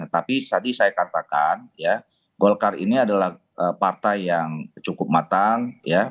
tapi tadi saya katakan ya golkar ini adalah partai yang cukup matang ya